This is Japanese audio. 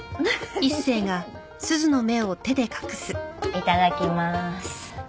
いただきまーす。